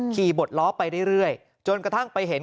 ขี่บดล้อไปเรื่อยจนกระทั่งไปเห็น